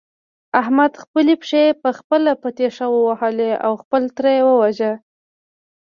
احمد خپلې پښې په خپله په تېشه ووهلې او خپل تره يې وواژه.